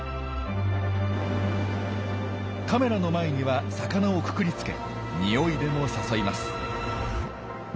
カメラの前には魚をくくりつけにおいでも誘います。